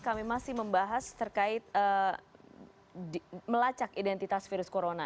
kami masih membahas terkait melacak identitas virus corona